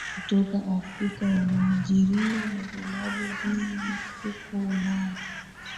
kutoka Afrika wanaajiriwa na vilabu vingi huko Ulaya